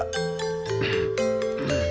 teminin dah si ita judin